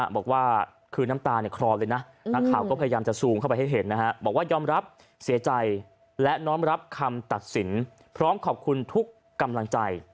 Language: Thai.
บอกว่าย่อมรับเสียใจและน้อมรับคำตัดสินพร้อมขอบคุณทุกกำลังใจ